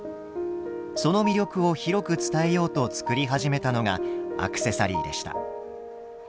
その魅力を広く伝えようと作り始めたのがアクセサリーでした。